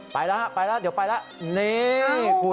ไปแล้วเดี๋ยวไปแล้ว